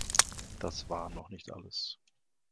Das war noch nicht alles.